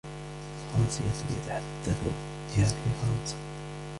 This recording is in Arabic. الفرنسية يتحدث بها في فرنسا.